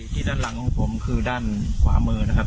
ที่ด้านหลังของผมคือด้านขวามือนะครับ